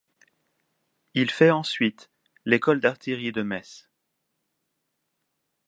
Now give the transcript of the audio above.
Il fait ensuite l'École d'artillerie de Metz.